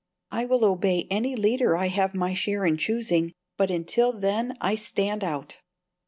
I will obey any leader I have my share in choosing, but until then I stand out."